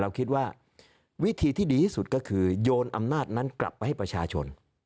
คิดว่าวิธีที่ดีที่สุดก็คือโยนอำนาจนั้นกลับไปให้ประชาชน